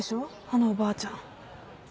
あのおばあちゃん。